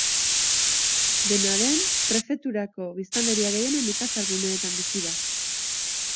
Dena den, prefekturako biztanleria gehiena nekazal guneetan bizi da.